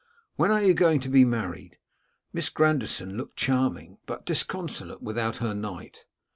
When are you going to be married? Miss Grandison looked charming, but disconsolate without her knight.